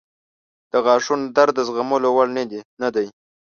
• د غاښونو درد د زغملو وړ نه دی.